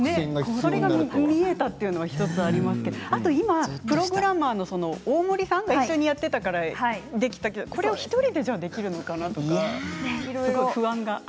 それが見えたというのが１つありましたがプログラマーの大森さんが一緒にやっていたからできたけどこれを１人でじゃあできるのかって、不安が。